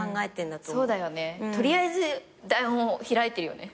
取りあえず台本開いてるよね。